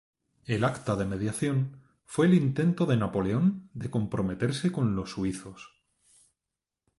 El Acta de Mediación fue el intento de Napoleón de comprometerse con los suizos.